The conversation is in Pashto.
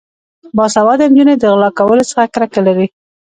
باسواده نجونې د غلا کولو څخه کرکه لري.